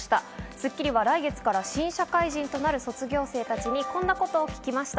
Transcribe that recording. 『スッキリ』は来月から新社会人となる卒業生たちにこんなことを聞きました。